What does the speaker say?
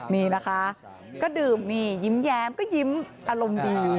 นี่นะคะก็ดื่มนี่ยิ้มแย้มก็ยิ้มอารมณ์ดี